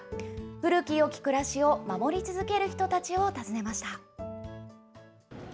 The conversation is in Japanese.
古きよき暮らしを守り続ける人たちを訪ねました。